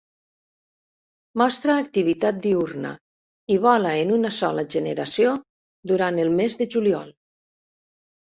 Mostra activitat diürna i vola en una sola generació durant el mes de juliol.